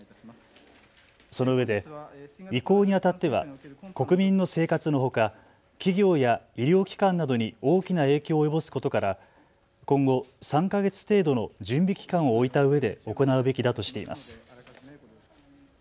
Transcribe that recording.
そのうえで移行にあたっては国民の生活のほか企業や医療機関などに大きな影響を及ぼすことから今後３か月程度の準備期間を置いたうえで行うべきだとしています。